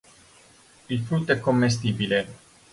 Il frutto è commestibile.